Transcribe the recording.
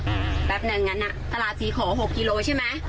แป๊บหนึ่งงั้นอ่ะตลาดศรีขอหกกิโลใช่ไหม